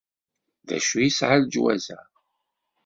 D acu yesɛa leǧwaz-a?